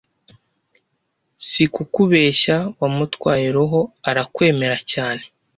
Sikukubeshya wamutwaye roho arakwemera cyane